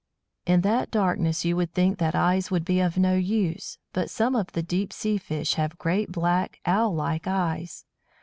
In that darkness you would think that eyes would be of no use, but some of the deep sea fish have great black owl like eyes.